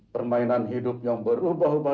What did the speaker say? permainan hidup yang berubah ubah